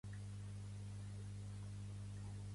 Què no vol que facin els Mossos d'Esquadra?